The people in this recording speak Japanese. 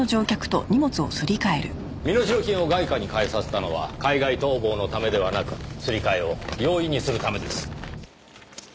身代金を外貨に換えさせたのは海外逃亡のためではなくすり替えを容易にするためです。